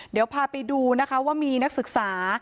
เดี๋ยวพาไปดูนะคะว่ามีนักศึกษา